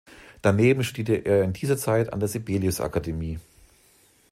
Daneben studierte er in dieser Zeit an der Sibelius-Akademie.